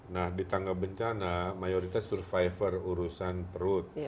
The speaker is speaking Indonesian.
nah di tangga bencana mayoritas survivor urusan perut